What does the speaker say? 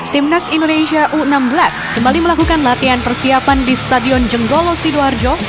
timnas indonesia u enam belas kembali melakukan latihan persiapan di stadion jenggolo sidoarjo